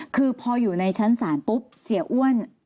คือพออยู่ในชั้นศาลปุ๊บเสียอ้วน